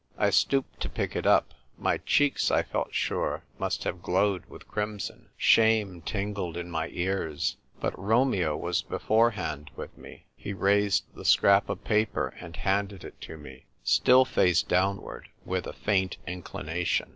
I stooped to pick it up. My cheeks, I feel sure, must have glowed with crimson. Shame tingled in my ears. But Romeo was beforehand with me. He raised the scrap of paper and handed it to me, still face down ward, with a faint inclination.